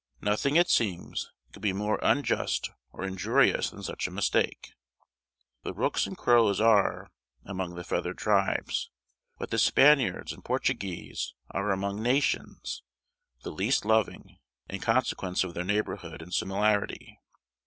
Nothing, it seems, could be more unjust or injurious than such a mistake. The rooks and crows are, among the feathered tribes, what the Spaniards and Portuguese are among nations, the least loving, in consequence of their neighbourhood and similarity.